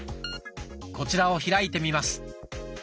こちらを開いてみます。